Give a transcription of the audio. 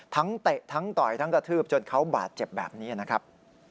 เตะทั้งต่อยทั้งกระทืบจนเขาบาดเจ็บแบบนี้นะครับ